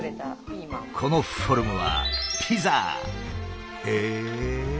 このフォルムはへえ！